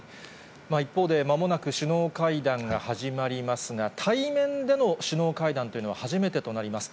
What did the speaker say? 一方で、まもなく首脳会談が始まりますが、対面での首脳会談というのは初めてとなります。